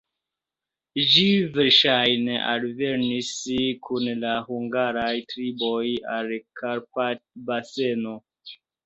Ĝi verŝajne alvenis kun la hungaraj triboj al la Karpat-baseno.